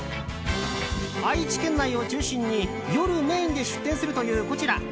愛知県内を中心に夜メインで出店するというこちら。